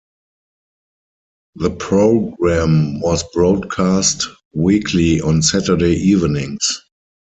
The program was broadcast weekly on Saturday evenings.